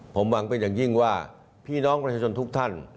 ผมหวังเป็นอย่างยิ่งว่าพี่น้องประชาชนทุกท่าน